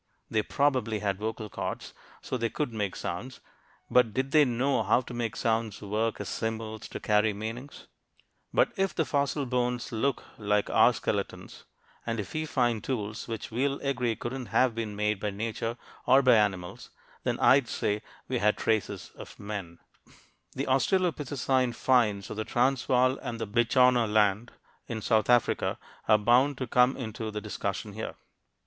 They probably had vocal cords, so they could make sounds, but did they know how to make sounds work as symbols to carry meanings? But if the fossil bones look like our skeletons, and if we find tools which we'll agree couldn't have been made by nature or by animals, then I'd say we had traces of men. The australopithecine finds of the Transvaal and Bechuanaland, in south Africa, are bound to come into the discussion here.